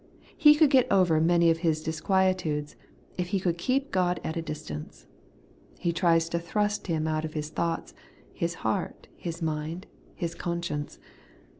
He could get over many of his disquietudes, if he could keep God at a distance. He tries to thrust Him out of his thoughts, his heart, his mind, his conscience.